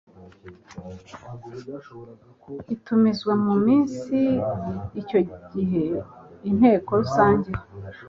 itumizwa mu minsi Icyo gihe Inteko Rusange